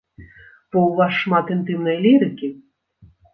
Бо ў вас шмат інтымнай лірыкі.